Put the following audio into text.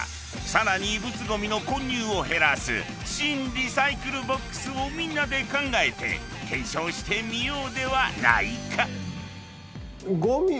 更に異物ゴミの混入を減らすシン・リサイクルボックスをみんなで考えて検証してみようではないか！